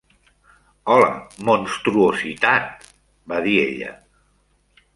"Hola, monstruositat", va dir ella.